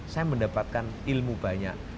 saya mendapatkan ilmu banyak